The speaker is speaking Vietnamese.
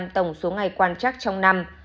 tổng số ngày quan trắc trong năm